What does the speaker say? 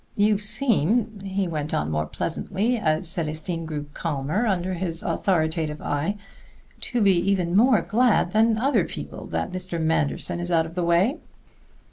You seem," he went on more pleasantly, as Célestine grew calmer under his authoritative eye, "to be even more glad than other people that Mr. Manderson is out of the way.